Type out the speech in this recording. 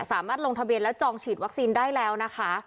สามารถลงทะเบียนแล้วจองฉีดวัคซีนได้แล้วนะคะ